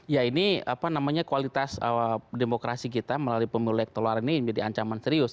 ya ini apa namanya kualitas demokrasi kita melalui pemilu elektoral ini menjadi ancaman serius